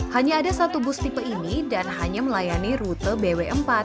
hanya ada satu bus tipe ini dan hanya melayani rute bw empat